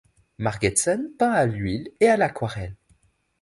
Margetson peint à l'huile et à l'aquarelle.